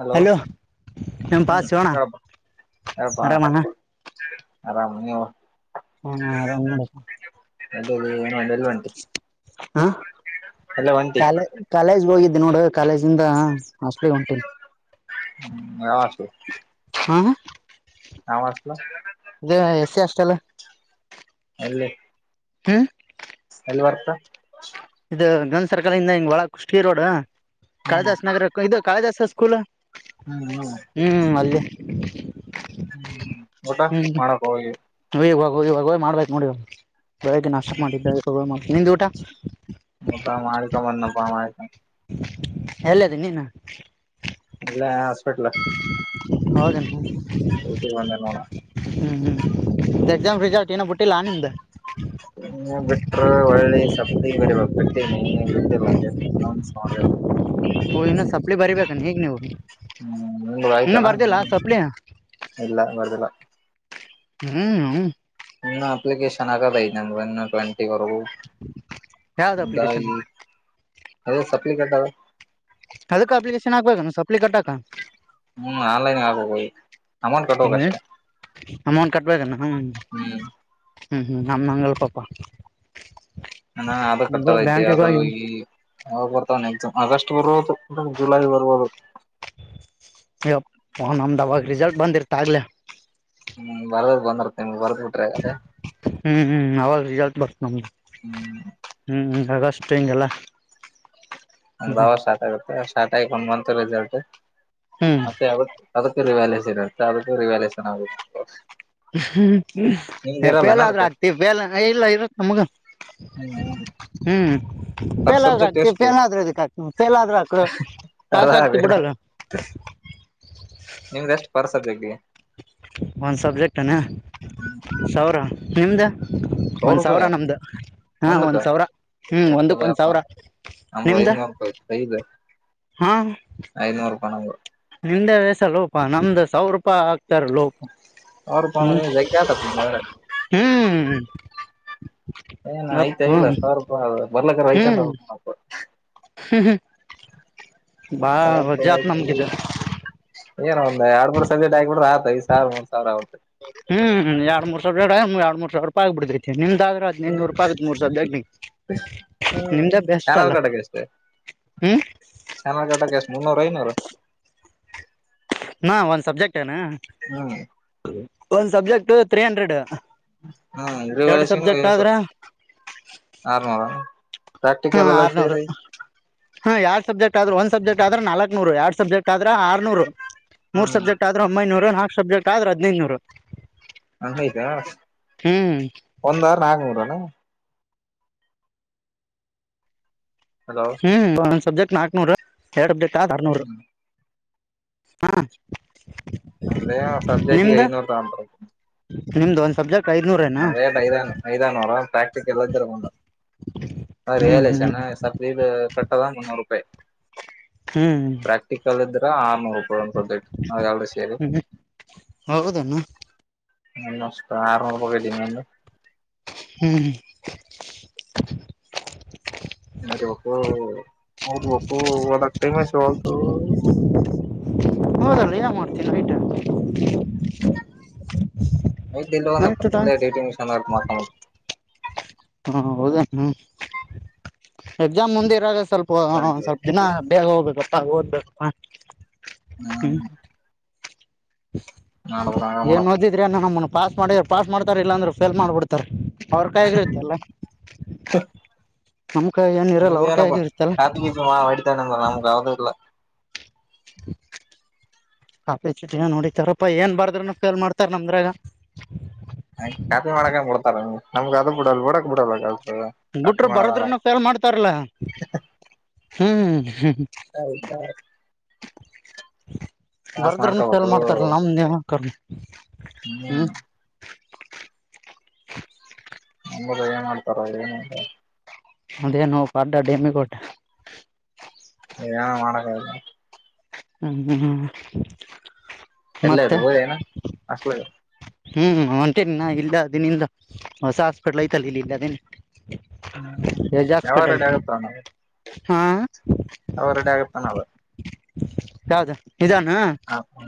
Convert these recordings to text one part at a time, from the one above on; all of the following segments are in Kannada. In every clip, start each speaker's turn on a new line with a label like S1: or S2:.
S1: ಹಲೋ
S2: ನಮ್ ಪಾ
S1: ಹ್ಮ್
S2: ಶಿವಣ
S1: ಹೇಳಪ್ಪಾ ಹೇಳಪ್ಪಾ
S2: ಆರಾಮಣ
S1: ಆರಾಮ ನೀ ಅವ
S2: ಹಾ ಆರಾಮ್ ನೋಡ
S1: ಅ ಏನು ಅಲ್ಲ ಒಂಟರಿ
S2: ಹಾ
S1: ಒಂಟಿ
S2: ಕಾಲ ಕಾಲೇಜ್ಗೆ ಹೋಗಿದ್ದಿ ನೋಡು ಕಾಲೇಜಿಂದ ಅಸ್ಲಿ ಹೊಂಟನ್
S1: ಹ್ಮ್ ಯಾವ ಸ
S2: ಹ
S1: ನಾಮಸ್ತ [unintelligible]
S2: ಎಸ್ಸಿ ಎಸ್ಟಿ ಅಷ್ಟ ಅಲ್ಲ
S1: ಅಲ್ಲೇ
S2: ಹ್ಮ
S1: ಎಲ್ಲ ವಾರ್ತಾ
S2: ಇದು ಗಂದ್ ಸರ್ಕಲ್ ಇಂದ ಹಿಂಗ್ ಒಳ ಕುಷಿ ರೋಡ್
S1: ಹ್ಮ್
S2: ಕಳದಾಸ ನಗರ ಕ ಇದು ಕಾಳಿದಾಸಾ ಸ್ಕೂಲ್
S1: ಹು ಹಲೋ ಬೈ.
S2: ಹು ಹು ಅಲ್ಲಿ
S1: ಹು ಊಟಾ ಮಾಡಕ್ ಹೋಗಿ
S2: ನೀವಾಗ ಇವಾಗ ಹೋಗಿ ಮಾಡ್ಬೇಕ್ ನೋಡಿವ ಬೆಳಗ್ಗೆ ನಾಷ್ಟ ಮಾಡಿದ್ದ ನಿಂದ್ ಊಟ
S1: ಊಟಾ ಮಾಡಕೊಂಡ ಬನ್ನಪಾ ಮಾರಾಯ
S2: ಎಲ್ಲದಿ ನೀನು
S1: ಇಲ್ಲ ಹಾಸ್ಪಿಟಲ್ [unintelligible]
S2: ಹೌದನಡ್ರಿ.
S1: ಇಗ ಬಂದ್ರ ನೋಡ.
S2: ಹ್ಮ್ ಹ್ಮ್ ಎಕ್ಸಾಮ್ ರಿಸಲ್ಟ್ ಇನ್ನು ಬಿಟ್ಟಿಲ್ಲಾ ನಿಮ್ದ
S1: ನೀ ಬಿಟ್ರ ವಳ್ಳಿ ಸಪನಿ ಬಡೀಬೇಕು ಕಟ್ಟೇನಿ ಬಿಟ್ಟಿಲ್ಲಾ. ಅನೌನ್ಸ್ ಮಾಡಬೇಕು.
S2: ಓ ಇನ ಸಪ್ಲಿ ಬರಿಬೇಕನ ಈಗ್ ನೀವು
S1: ಹ್ಮ್ ಮೊಲ
S2: ಇನ್ನು
S1: ಆಯ್ತಲ್ಲ
S2: ಬರ್ದಿಲ್ಲ
S1: ಮೊನ್ನೆ
S2: ಸಪ್ಲಿ
S1: ಇಲ್ಲ ಬರ್ದಿಲ್ಲ
S2: ಹ್ಹು
S1: ಇನ್ನು ಅಪ್ಲಿಕೇಶನ್ ಆಗದ ಐತಿ ಇನ್ನು ಟ್ವೆಂಟಿವರೆಗೂ.
S2: ಯಾವ್ದ್ ಅಪ್ಲಿಕೇಶನ್
S1: ದಾಯ ಅ ಸಪ್ಲಿ ಕತಾವ.
S2: ಅದಕ್ಕ ಅಪ್ಲಿಕೇಶನ್ ಹಾಕ್ಬೇಕ ಸಪ್ಲ ಕಟ್ಟಾಕ.
S1: ಹು ಆನ್ಲೈನ್ಗೆ ಹಾಕಬೇಕಾಗೇತಿ ಅಮೌಂಟ್ ಕಟ್ಟಕ್ ಅಷ್ಟೆ.
S2: ಅಮೌಂಟ್ ಕಟ್ಬೇಕಣ ಹು.
S1: ಹ್ಮ್
S2: ಹು ಹು ನಮ್ಮ ಮಂಗಳ ಪಾಪಾ.
S1: ಹಣಾ ಅದು ಕಟ್ಟದೈತೆ ಹಾಗ ಈ ಅವಾವಗ ಬರ್ತಾವಣೆ ಎಕ್ಸಾಮ್ ಆಗಸ್ಟ್ ಬರ್ಬೋದು ಜುಲೈ ಬರ್ಬಹದು.
S2: ಎಪ್ಪಾ ನಮ್ದ ಅವಾಗ ರಿಸಲ್ಟ್ ಬಂದಿರ್ತ ಆಗ್ಲೇ.
S1: ಹ್ಮ್ ಬರ್ದ ಬಂದರ್ತೆ ನಿಮ್ ಬರ್ದ್ ಬಿಟ್ಟಿರೆ ಅದೇ.
S2: ಹು ಹು ಅವಾಗ ರೀಜಲ್ಟ್ ಬರ್ತ ನಮದು.
S1: ಹ್ಮ್
S2: ಹು ಅಗಷ್ಟು ಹಿಂಗೆಲ್ಲಾ.
S1: ಬಾಳ ವಷಾ ಸ್ಟಾರ್ಟ್ ಆಗುತ್ತೆ ಸ್ಟಾರ್ಟ್ ಆಯಕ್ ಒಂದ್ ಮಂತ್ ರಿಸಲ್ಟ್
S2: ಹ್ಮ್
S1: ಮತ್ತೆ ಆ ಅದಕ್ಕೆ ರಿವ್ಯಾಲಿವೇಶನ್ ಅಂತ ರಿವ್ಯಾಲಿವೇಶನ್ ಆಗಬೇಕು.
S2: ಹು ಹ್ಹು ಹೆ ಫೇಲ್ ಆದ್ರೂ
S1: ಅದಕ್ಕೆ
S2: ಆಗ್ತಿ ಫೇಲ್ ಇಲ್ಲ ಇರತ್ ನಮ್ಗ.
S1: ಹು ಹು
S2: ಹ್ಮ್ ಫೇಲಾದ್ರ ಹಾಕ್ತಿವಿ ಫೇಲದ್ರ ಎದಿಕ್ ಹಾಕ್ತಿ ಫೇಲದ್ರ ಹಾಕು.
S1: ಅದ
S2: ಪಾಸ್ ಆಗ್ತಿ
S1: ಬೇಡ
S2: ಬಿಡಲ್ಲ.
S1: ನಿಮ್ದ ಎಷ್ಟು ಪರಸದ ದೈತಿ
S2: ಒಂದ್ ಸಬ್ಜೆಕ್ಟ್ನ
S1: ಹ್ಮ್
S2: ಸಾವಿರ ನಿಮ್ದ ಒಂದ್ ಸಾವಿರ ನಮ್ದು ಹಾ
S1: ಒಂದಕ್ಕ
S2: ಒಂದ್ ಸಾವಿರ. ಹ
S1: ಎತ್ತ
S2: ಒಂದಕ್ಕ ಒಂದ್
S1: ಬಯಪ್ಪ
S2: ಸಾವಿರ
S1: ನಮ್ದು
S2: ನಿಮ್ದ
S1: ಐನೂರು ರೂಪಾಯಿ
S2: ಹಾ
S1: ಐದನೂರೂಪಾಯಿ ನಮ್ಮದು.
S2: ನಿಂದೆ ವಸಲೋಪಾ ನಮ್ದ ಸಾವಿರ ರೂಪಾಯಿ. ತ್ತಾರ್ಲೊಪಾ
S1: ಸಾವಿರ ರೂಪಾಯಿ
S2: ಹು
S1: ಅಂದ್ರೆ ಜಗ್ಗಿ ಆತಪ್ಪ
S2: ಹ್ಹು.
S1: ಏನ್ ಅಯ್ತ ಇಲ್ಲ ಸಾವರೂಪ ಬರ್ಲಕರ್ ವೈಕೊಂಡ ಹೋಗ್.
S2: ಹ್ಮ ಹ
S1: ತಪತಿ.
S2: ನಮ್ಗಿದು
S1: ಏನ ಒಂದ ಎರಡ್ ಮೂರು ಸಬ್ಜಕ್ಟ್ ಆಗಿಬ ಬಿಟ್ರ ಆತ ಐದ ಸಾವಿರ ಮೂರ್ ಸಾವಿರ ಆಗುತ್ತೆ.
S2: ಹು ಎಡ್ ಮೂರ್ ಸಾವಿರ ಎರಡ್ ಮೂ ಸಾವಿರ ರೂಪಾಯ ಆಗ್ಬ ಬಿಡ್ರೈಐತಿ ನಿಮ್ದಾದ್ರ. ಇ ನೂರು ರೂಪಾಯ ಆಗತ್ ಮೂರ್ ಸಬ್ಜೆಕ್ಟ್
S1: ಹ್ಮ್
S2: ನಿಮ್ದ ಬೆಸ್
S1: ಚಾನಲ್
S2: ಅಲ್ಲ ಹ್ಮ
S1: ಚಾನ ಕಟ ಕೆ ಮುನ್ನೋ ರ ನೋ
S2: ಹಾ ಒಂದ್ ಸಬ್ಜೆಕ್ಟ್ ಏನಾ
S1: ಹ್ಮ್
S2: ಒಂದ್ ಸಬ್ಜೆಕ್ಟ್ ತ್ರೀ ಹಂಡ್ರೆಡ್
S1: ಹಾ ಇರ
S2: ಎರಡು
S1: ವರಷ
S2: ಸಬ್ಜೆಕ್ಟ್
S1: ವಸ
S2: ಆದ್ರ
S1: ಆರ್ಮಲ ಪ್ರಾಕ್ಟಿಕಲ್ ಎಲ್ಲ ಸೇರಿ
S2: ಹ್ಮ ಎಾರ್ಡ್ ಸಬ್ಜೆಟ್ ಆದ್ರ ಒ ಸಬ್ಜೆಟ್ ಆದ್ರ ನಾಲ್ಕರುರಡ್ ಸಬ್ಜೆಕ್ಟ್ ಆದ್ರ ಆರ್ನೂರು ಮೂರ್
S1: ಹ್ಮ್
S2: ಸಬ್ಜೆಕ್ಟ್ ಆದ್ರೂ ಒಮ್ಮೈನೂರು ನಾಕ್ ಸಬ್ಜೆಕ್ಟ್ ಆದ್ರರು ಹದನೈದುನೂರು
S1: ಹ ಆಯ್ತಾ ಒಂದಾರ ನಾಗನೂರನಾ ಹಲೋ
S2: ಹ್ಮ ಒಂದ ಸಬ್ಜೆಕ್ಟ್ ನಾಕ್ನೂರು ಎರಡ್ ಸಬ್ಜೆಕ್ಟ್ ಆದ ಆರ್ನೂ
S1: ಹ್ಮ್
S2: ಹಾ
S1: ಅಂದದೇ ಸಬ್ಜೆಕ್ಟ್ಗೆ
S2: ನಿಮ್ದ
S1: ಐನೂರ ತಂತ್
S2: ನಿಮ್ದು ಒಂದ್ ಸಬ್ಜೆಕ್ಟ್ ಐದ್ನೂರೇನಾ
S1: ರೇಟ್ ಐದಾನು ಐದಾನೂರ ಪ್ರಾಕ್ಟಕ್ ಎಲ್ಲೊಂಡಾಲ
S2: ಹ್ಮ್ ಹ್ಮ್
S1: ಚೆ ವೀ ಕಟ್ಟದಾ ಮುನ್ನೂರು ರೂಪಾಯಿ
S2: ಹ್ಮ್
S1: ಕ್ಟಿಕಲ್ ಇದ್ರ ಆಮ ಒ ಪ್ರೊಜೆಕ್ಟ್ ನಲ್ರೂ ಸೇರಿ
S2: ಹ್ಮ್ ಹೌದೇನು
S1: ಹ ನಮಸ್ ಸ ಹೋಗದಿನನು
S2: ಹ್ಮ್
S1: ಮ ಒಪು ಬಪ್ಪು ಒದಕ್ ಟೈಮಸ್ ಹು
S2: ಹೌದಲ್ಲ ಯನ್ ಮಾಡ್ತೀನ ಆಯತಾ
S1: ಐ ಇ
S2: ಟೈಮ್
S1: ಇಲ್ಲ ಟಿಂಗಷನ್ತ
S2: ಹ್ಮ ಹೌದೇ ಹ್ಮ್ ಎಕ್ಸಾಮ್ ಮುಂದೆ ಇರಾಗ ಸ್ವಲ್ಪ
S1: ಬೆಳಿಗ್ಗೆ
S2: ಸ್ವಲ್ಪ ದಿನ ಬೇ ಹೋಗಬೇಕಪ್ಪಾ ಓದ್ಬೇಕ
S1: ಹ್ಮ ಮಾಡ್ಬೇಕು ಹಂಗ
S2: ಏನ್
S1: ಮಾಡಕ್
S2: ಓದಿದ್ರಿ ನಮ್ಮ ಪಾಸ್ ಮಾಡಿದ ಪಾಸ್ ಮಾಡ್ತಾರ ಇಲ್ಲಾಂದ್ರೆ ಫೇಲ್ ಮಾಡ್ಬಿಡ್ತಾರ ಅವ್ರ ಕಾಯಗಿತ್ತಲ್ಲ ನಮ್ಕಾಯ ಏನಿ ಇರಲ್ಲ ಅವ್ರ ಕಾಯ ಆಗಿ ಇತ್ತಲ್ಲ
S1: ವಡಿತಣಂದ ನಮಾವದು ಇಲ್ಲ
S2: ಕಫೀಚ್ಚು ದಿನ ನೋಡಿತಾರಪ್ಪ ಏನ್ ಬಾರ್ರನಫೇಲ್ ಮಾಡ್ತಾರ್ ನಮ್ದಗ
S1: ಹ ಖಾತೆ ಮಾಡಕ್ ಬಿಡ್ತಾರ ನಮ್ಗ್ ಅದು ಬಿಡಲ್ ಬಿಡಕ್ ಬಿಡಲ್ ಬಿ
S2: ಬಿಟರು ಬರೋದ್ರನು ಫೇಲ್ ಮಾಡ್ತಾರಲ್ಲ ಹ್ಮ್ ಹ್ಮ್
S1: ಹೌದಾತ ಕಾಸ್
S2: ಬರದ್ರನುಫೇಲ್
S1: ಮಾಡ್ಕೋಬೇಕು
S2: ಮಾಡ್ತಾರಲ್ಲ ನಮ್ದ ನೇಮಕ
S1: ಹ್ಮ್ ಹದ ಏನ್ ಮಾಡ್ತಾರ ಏನ್ ಮಾಡ್
S2: ಅಂದೇನು ಪಡ್ಡ ಡಿಮ್ಮಿ ಕೊಟ್ಟ
S1: ಏನ ಮಾಡಕ್ಕಲ್ಲ
S2: ಹ್ಮ್ ಹ್ಮ ಹ್ಮ
S1: ಎಲ್ಲ ಇ ಹೋಗ ಏನ ಅಷ್ಟ
S2: ಹ್ಮ್ ಒಂತೇನಿ ನಾ ಇಲ್ಲದಿನಿಂದ ಹೊಸ ಹಾಸ್ಪಿಟ್ಲ್ ಐ್ತಲ್ಲ ಇಲ್ಲಿ ಇಲ್ಲದ
S1: ಹ್ಮ್
S2: ಎಜ
S1: ಯಾವಾಗ
S2: ಹಾಸ್ಪಿಟಲ್
S1: ರೆಡಿ ಆಗುತ್ತಾನ
S2: ಹಾ.
S1: ಅವರುಡೆ ರೆಡಿ ಆಗತನಾವ
S2: ಯಾವದು ಇದಾನ.
S1: ಹ ಹ್ಮ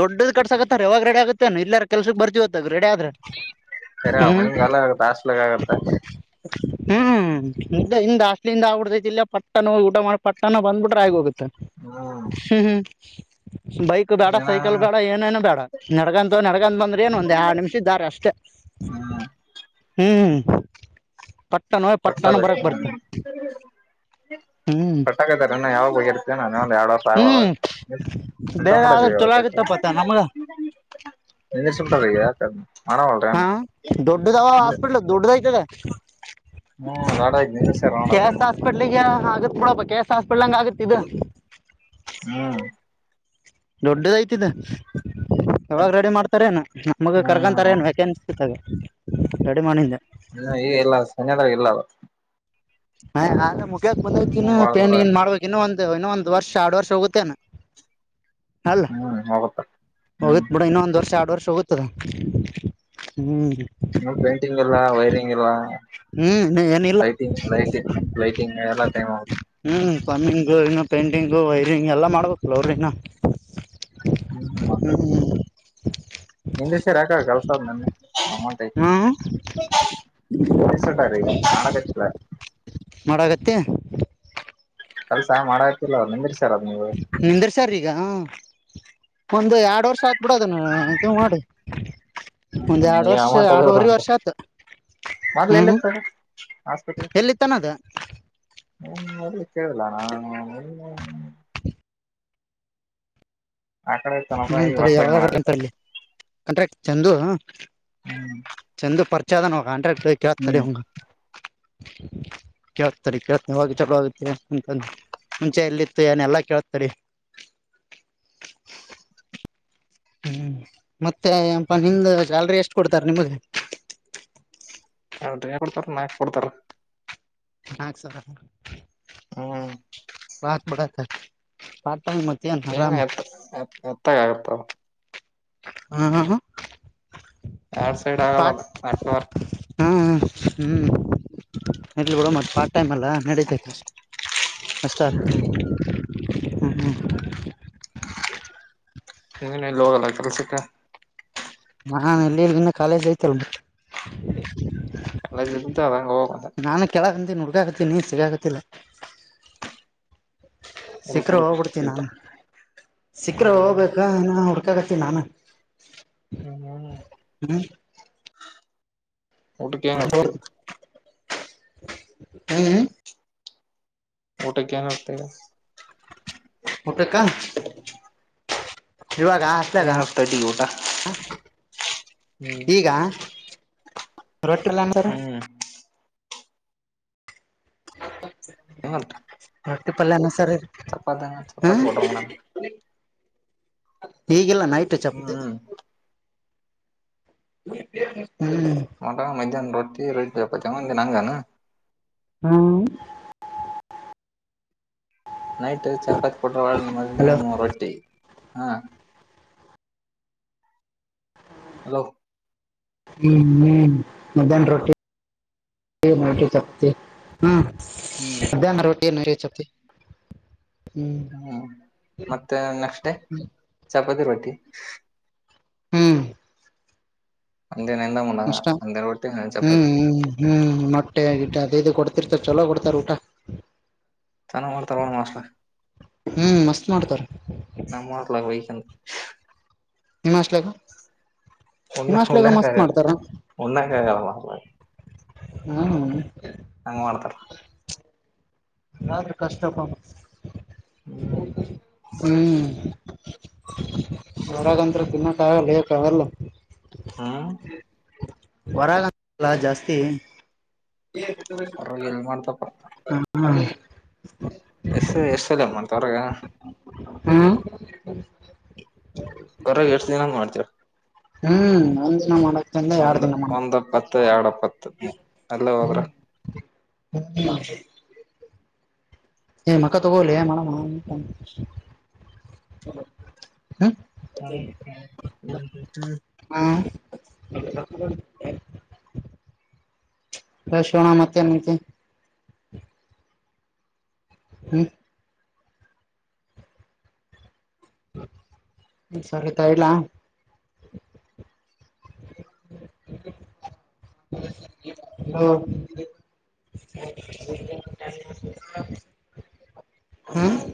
S2: ದೊಡ್ಡದ ಕಟ್ಟಸ್ಕತರ ಯವಾಗ ರೆಡಿ ಆಗುತ್ತೆ ಇಲ್ಲಾರ ಕೆಲ್ಸಕ್ಕೆ ಬರ್ತಿವತ್ತುಾಗ ರೆಡಿ ಆದ್ರೆ.
S1: ಸರಿ ಅವನಿಗೆ ಕಲ್ಲ ಆುತ್ತೆ ಆಸ್ಲಗಾಗತ್ತ.
S2: ಹ್ಮ್ ಹಿಂದ ಅಸ್ಲಿಂದ ಆಗ್ಬ ಬಿಡತೈತಿಲ್ಲ ಪಟ್ಟನ ಊಟ ಮಾಡಿ ಪಟ್ಟನ ಬಂದ್ಬಿಟ್ರೆ ಆಗ ಹೋಗತಿ.
S1: ಹ್ಮ್
S2: ಹ್ಮ್ ಹ್ಮ್ ಬೈಕ್. ಬೇಡ
S1: ಏನೇನ
S2: ಸೈಕಲ್ ಬೇಡ ಏನೇನು ಬೇಡ ನಡ್ಗಂತ ನಡ್ಗಂತ ಬಂದ್ರ ಏನ್ ಒಂದ ಎರಡ್ ನಿಮಿಷ ಇದ್ದಾರೆ ಅಷ್ಟೇ.
S1: ಹ್ಮ್
S2: ಹ್ಮ್ ಪಟ್ಟಾನ ಪಟ್ಟಾನ ಬರಕ್ ಬರ್ತ.
S1: ಹ್ಮ್............
S2: ಹ್ಮ್
S1: ಕಟಾಕತಾರಣ ಯಾವಾಗ ಹೊಯದು. ಸಾವ
S2: ಹ್ಮ್
S1: ತ [inaudible]
S2: ಬೇಗ ಆದ್ರ ಚಲೋ
S1: ಎ
S2: ಆಗತ್ತಪ್ಪತ್ತ ನಮಗ
S1: ಚ ಬಿ್ರ ಮಣ ವಳ್ಳರ [inaudible]
S2: ದೊಡ್ಡದ ಆಯತ ಅದು.
S1: ಹ್ಮ್ ರಾಡ ಆಕಿ ನಿಂದರ್ ಸರ ನೋಡ ಅದ್ನ್.
S2: ಪಡ್ಗೆಾ ಅಗ ತೋಡಾ ಕಸಸ್ಡಗಾಗ ಅಸ್ಪತ್ರ ಆಗತಾ
S1: ಹ್ಮ
S2: ದೊಡ್ಡದಾಯ್ತಿ ಇದ. ಯಾವಾಗ ರೆಡಿ ಮಾಡ್ತಾರ ಏನು ಮಗ ಕರ್ಕೊಂತಾರೆ
S1: ಹ್ಮ್
S2: ಏನು ವ್ಯಾಕೆತ್ತಾ ಅದ. ರಡಿ ಮಾಡಿದ್ದೆ-
S1: ಹ್ಮ ಈಗ ಇಲ್ಲ ಸನಯದ್ರಗ ಇಲ್ಲ ಅದ್.
S2: ಹ್ ಆದ್ರೆ ಮುಗ್ಯಾಕ್
S1: ಹ್ಮ್
S2: ಬಂದಕನು
S1: ಬಾಳ
S2: ಪೇಂಟ್
S1: ದೂರ
S2: ಗಿಂಟ ನ್ ಮಾಡಬೇಕ. ಇನ್ನು ಒಂದು ಇನ್ನೊಂದ್ ವರ್ಷ ಎರೆಡು ವರ್ಷ ಹೋಗುತ್ತೇನ ಅಲ್ಲ
S1: ಆಗುತ್ತ
S2: ಹೋಗತ್ ಬಿಡ ಇನ್ನೊಂದ್ ವರ್ಷ ಆರಡ್ ವರ್ಷ ಹೋಗುತ್ತದಾ ಹ್ಮ್
S1: ಇ ಪೇಂಟಿಂಗ್ ಇಲ್ಲ ವೈರಿಂಗ್ ಇಲ್ಲ
S2: ಹ್ಮ್ ಏನಿಲ್ಲ
S1: ಲೈಟಿಂಗ್ ಲೈಟ್ ಲೈಟಿಂಗ್ ಎಲ್ಲ ಟೈಮ್
S2: ಹ್ಮ್ ಪ್ಲಮ್ಮಿಂಗು ಇನ್ನು ಪೇಂಟಿಂಗು ವೈರಿಂಗ್ ಎಲ್ಲಾ ಮಾಡ್ಬೇಕು ಅವರಾ ಇನ್ನ..
S1: ಹ್ಮ್ ಮತ್ತ
S2: ಹ್ಮ್
S1: ಹಿಂದ ಸರಿ ಯಾಕ ಕಲ್ಸದ್ ನನ್ನ ಅಮೌಂಟ್.
S2: ಹಾ
S1: ನೀನ್ನು ನಿಷ್ಟಟ ರೀ ಮಾಡಕತ್ತಿಯಲಾ. -
S2: ಮಾಡಾಗತ್ತೆ
S1: ಕೆಲ್ಸ ಮಾಡಾಕ್ತಿವ ಅವ ನಿಂದಿರ್ಸರ್ ಅದು ನೀವು
S2: ನಿಂದ್ರಸರ್ ಈಗ ಒಂದು ಎರಡ್ ವರ್ಷ ಆತ್ಬಿಡದ ಮಾಡ ಇದು ಮಾಡಿ. ಒಂದ
S1: ಹ್ಮ್
S2: ಎರಡು
S1: ಈ
S2: ವರ್ಷ
S1: ಅಮೌಂಟ್ ಅದವ್ರ
S2: ಆಡುವರೆ
S1: ಅಂತ
S2: ವರ್ಷ ಆತ
S1: ಮೊದ್ಲು
S2: ಹ್ಮ್
S1: ಎಲ್ಲಿತ್ತ
S2: ಎಲ್ಲಿತನದ
S1: ಹ ಕಲ್ಲ [inaudible] ಅಕಡೆ.
S2: ಹ್ಮ ಯಾವಾಗ ಅಂತಲ್ಲಿ ಕಂಟ್ರೆಕ್ಟ್ ಚಂದು.
S1: ಹ್ಮ್
S2: ಒಂದು ಪರ್ಚ ಕಾಂಟ್ರಾಕಟ್ ಕೇಳತಾನಿ ತಡಿ ಅವನ್.
S1: ಹಾ [unintelligible]
S2: ಕೇಳ್ತರಿ ಕೇಳ್ತ ಹೋಗಿ ಚಲ ಆಗುತ್ತೆ ಅಂತಂದು ಮುಂಚೆ ಎಲ್ಲಿತ್ತು ಏನೆ ಎಲ್ಲಾ ಕೇಳ್ತನ ತಡಿ. ಹ್ಮ್ ಮತ್ತೆ ಅಪ ನಿಮ ಸ್ಯಾಲ್ರಿ ಎಷ್ಟು ಕೊಡ್ತಾರೆ ನಿಮಗ.
S1: ಹ್ರೇ ಕೊಡ್ತಾರ ನಾಕ್ ಕೊಡ್ತಾರ-
S2: ಹಕ್ಸರ [unintelligible]
S1: ಹ್ಮ್ [unintelligible]
S2: ಸಾತ್ ಬಡತ ಸಾತ ಮ [unintelligible]
S1: ಏನ್ ಎತ್ತ ಎತ್ತಾಗ ಆಗತಾವ [unintelligible]
S2: ಹಾ ಹಾ ಹ [unintelligible]
S1: ಎರಡ್ ಸೈಡ್
S2: ಪಾರ್ಟ್
S1: ಆಗಲ್ಲದು ನೆಟ್ವರ್ಕ್
S2: ಹಾ ಹಾ ಹ್ಮ್ ಇಡ್ಲಿ ಬಿಡೋ ಮತ್ತೆ ಪಾರ್ಟ್ ಟೈಮ್ ಅಲ್ಲ ನಡೆತೈತೇ ಅಷ್ಟು ಅಷ್ಟಾರ
S1: ಹ್ಮ್
S2: ಹಾ ಹಾ ಹ
S1: ಹ ಎಲ್ಲಿ ಹೋಗಲ್ಲಸ
S2: ನಾನು ಎಲ್ಲಿಲ್ಲಿ ಇನ್ನ ಕಾಲೇಜ್ ಐತೆಲ್
S1: ಎಲ್ಲ ಜ್ದ ಅದಗೆ ಹೋಗಂತ
S2: ನಾನು ಕೇಳಕ ಅಂತ ಹುಡುಗ ಆಕತ್ತತಿ ನೀನ್ ಸಿಗಕತ್ತಲ್ಲ
S1: ಹುಡುಕ್
S2: ಸಿಖರೆ
S1: ಹುಡುಕ್
S2: ಹೋಗ್ಬಿಡ್ತ ನಾನು
S1: ಸಿಗ್ತಾವ
S2: ಸಿಕ್ಕರೆ
S1: ಹ್ಮ್
S2: ಹೋಗ್ಬೇಕ ನ ಹಡ್ ಗತಿ ನಾನ
S1: ಹ್ಮ್ ಊಟಕ್ಕೆ ಏನ್ ಇರ್ತಿ
S2: ಹ್ಮ್
S1: ಊಟ ಕನ್ ಅರ್ತಗ
S2: ಊಟಕ್ಕ ಇವಾಗ ಹಸಾಗ
S1: ಏನ್ ತಡ್ಡಿ ಊಟ ಹ್ಮ್
S2: ಈಗ ರೋಟ್ರಲ್ಲ ಅಂತರ
S1: ಹ್ಮ್ ಎಲ್ತ್
S2: ರೊಟ್ಟಿ ಪಲ್ಯ ಅನ್ನ ಸಾರು
S1: ಚಪ್ಪಾತ ಚಪ್ಪಾತ್ ಕೊಡೋ ನ
S2: ಹಿಗಿಲ್ಲ ನೈಟ್ ಚಪತಿ
S1: ಹ್ಮ್
S2: ಹ್ಮ
S1: ಮೊಟಾ ಮಧ್ಯಾಹ್ ರಟ್ಟಿ ರೊ ಒಂದಿನಂಗಾನ
S2: ಹ್ಮ್
S1: ನೈಟ್ ಚಪಾತಿ ಕೊಟ್ರ ಒ.
S2: ಹಲೋ
S1: ಮದ್ನ ರೊಟ್ಟಿ ಹಾ ಹಲೋ
S2: ಹ್ಮ್ ಮಧ್ಯಾಹ್ನ ರೊಟ್ಟಿ ರಟಿ ತತಿ ಹ್ಮ್
S1: ಹ್ಮ್
S2: ಅದ್ಯಾಂಗ ರೊಟ್ಟಿ ಏನ್ನು ಇ ಚಪತಿ
S1: ಹ್ಮ್ ಮತ್ತೆ ನೆಕ್ಸ್ಟ್ ಡೇ ಚಪಾತಿ ರೊಟಿ
S2: ಹ್ಮ್
S1: ಅಂದ ಒಂದ ಮಾಡಂದ
S2: ಅಷ್ಟ
S1: ಒಂ ದ ರೋಟ್ಟಿಂದ ಚಪಾತಿ
S2: ಹ್ಮ್ ಹ್ಮ್ ಹ್ಮ್ ಮೊಟ್ಟೆ ಆಗಿ ಅದ ಇದು ಕೊಡ್ತಿರ್ತ ಚಲೋ ಕೊಡ್ತಾರ ಊಟ
S1: ಚೆನ್ನ ಮಾಡ್ತಾರೆ ಒ ಮಾಸ್
S2: ಹ್ಮ್ ಮಸ್ತ್ ಮಾಡ್ತಾರ
S1: ನಮ್ಮ ಮಾಡಲ
S2: ನಿಮ್ಮ ಹಾಸ್ಟೆಲ್ ಮಸ್ತ್ ಮಾಡ್ತಾರ
S1: ಒನ್ನಾಗ
S2: ಹ್ಮ್
S1: ಹಂಗ್ ಮಾಡ್ತಾರ
S2: ಎಲ್ಲಾದ್ರ ಕಷ್ಟಪ
S1: ಹ್ಮ್
S2: ಹ್ಮ್ ಹೊರಾಗಂತ ತಿನ್ನ ಕಾಗಲ್ಲ ಹ ಕಾವಲ್ಲ
S1: ಹಾ
S2: ವರ ಜಾಸ್ತಿ
S1: ಎಲ್ಲಿ ಮಾಡ್ತಪ್ಪಾ
S2: ಹಾ
S1: ಎಷ್ಟ ಎಷ್ಟಲ್ಲಮ [unintelligible]
S2: ಹ್ಮ್ ಹ
S1: ಹೊರ ಎಶ್ಟ್ ದಿನ ಮಾಡ್ತೀರ
S2: ಹ್ಮ್ ಒಂದ್ ದಿನ ಮಾಡಕ್ಿಂದ ಎರಡ್
S1: ಒಂದ್
S2: ದಿನ ಮಾಡ
S1: ಒಂದ್ ಎಪ್ಪತ್ತು ಎರಡ್ ಎಪ್ಪತ್ತು ಎಲ್ಲ ಹೋದ್ರ
S2: ಹ ಏ ಮಕ ತಗೋಲೀ ಮಡನ ಹ
S1: ಹ
S2: ಹ ಹ ಶೋಣ ಮತ್ತೆ ನಂತೆ ಹ್ಮ್ ಸರಿತ ಇಡ್ಲಾ
S1: ಅ
S2: ಹ್ಮ ಹ್ಮ